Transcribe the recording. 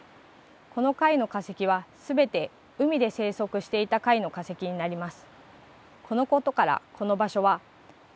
この貝の化石は全て海で生息していた貝の化石になります。